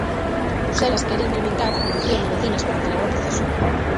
Bruxelas quere incrementar a produción de vacinas para acelerar o proceso.